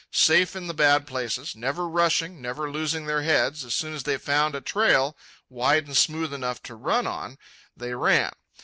Safe in the bad places, never rushing, never losing their heads, as soon as they found a trail wide and smooth enough to run on, they ran.